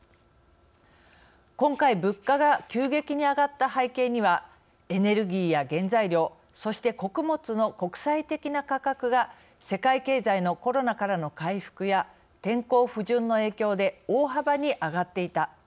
今回物価が急激に上がった背景にはエネルギーや原材料そして穀物の国際的な価格が世界経済のコロナからの回復や天候不順の影響で大幅に上がっていた。